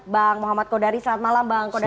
bang muhammad kodari selamat malam bang kodari